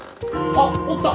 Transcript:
あっおった。